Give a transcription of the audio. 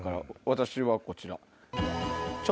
私はこちら。